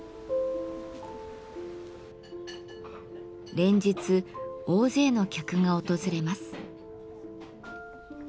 連日大勢の客が訪れます。